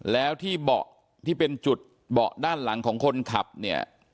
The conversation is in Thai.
แล้วที่เบาะที่เป็นจุดเบาะด้านหลังของคนขับเนี่ย